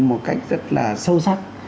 một cách rất là sâu sắc